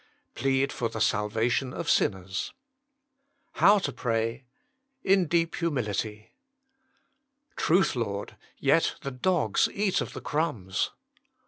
Plead for the salvation of sinners. now TO PRAY. In irp $|umilifg "Truth, Lord: yet the dogs eat of the crumbs.